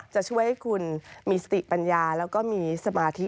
จะช่วยให้คุณมีสติปัญญาแล้วก็มีสมาธิ